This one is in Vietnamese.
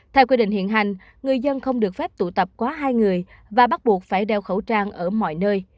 theo quy định hiện hành người dân không được phép tụ tập quá hai người và bắt buộc phải đeo khẩu trang ở mọi nơi